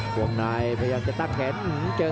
พยายามจะไถ่หน้านี่ครับการต้องเตือนเลยครับ